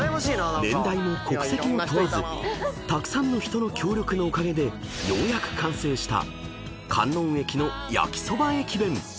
［年代も国籍も問わずたくさんの人の協力のおかげでようやく完成した観音駅の焼きそば駅弁］